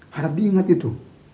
harap diingat itu